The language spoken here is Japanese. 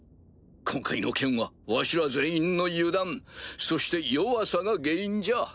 今回の件はわしら全員の油断そして弱さが原因じゃ。